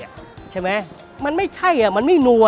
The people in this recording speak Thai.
มันไม่ใช่อะมันไม่นัวเนี่ยตำส้มถ้าไม่ใส่ปลาร้ามันก็เบาแซ่บแกงอ่อม